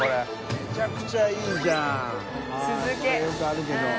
めちゃくちゃいいじゃん。